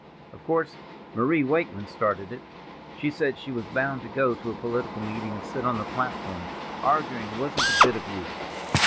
Of course, Marie Wakeman started it; she said she was bound to go to a political meeting and sit on the platform; arguing wasn't a bit of use.